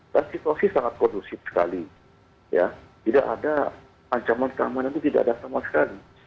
dan situasi sangat kondusif sekali ya tidak ada ancaman keamanan itu tidak ada sama sekali